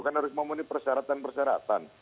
kan harus memenuhi persyaratan persyaratan